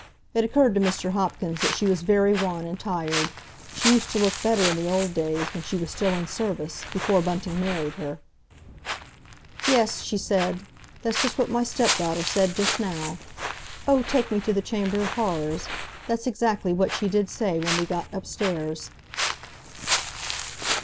It occurred to Mr. Hopkins that she was very wan and tired; she used to look better in the old days, when she was still in service, before Bunting married her. "Yes," she said; "that's just what my stepdaughter said just now. 'Oh, take me to the Chamber of Horrors'—that's exactly what she did say when we got upstairs."